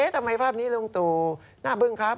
ทำไมภาพนี้ลุงตู่หน้าบึ้งครับ